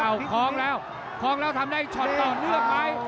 เอาคล้องแล้วคล้องแล้วทำได้ช็อตต่อเนื่องไหม